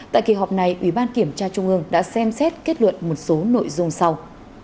tại kỳ họp này ủy ban kiểm tra trung ương đã xem xét kết luận một số nội dung sau